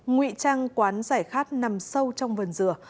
nguy trang quán giải khát nằm sâu trong vần rửa